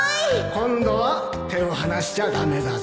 今度は手を離しちゃ駄目だぞ